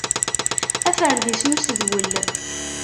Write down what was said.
Aferdis n usedwel.